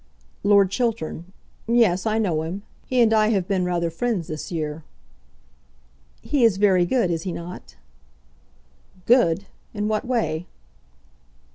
"Lord Chiltern; yes, I know him. He and I have been rather friends this year." "He is very good; is he not?" "Good, in what way?"